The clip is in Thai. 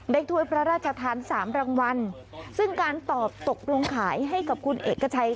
ถ้วยพระราชทานสามรางวัลซึ่งการตอบตกลงขายให้กับคุณเอกชัย